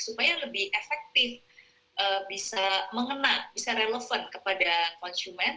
supaya lebih efektif bisa mengena bisa relevan kepada konsumen